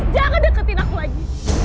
jangan deketin aku lagi